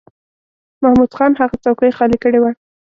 محمود خان هغه څوکۍ خالی کړې وه.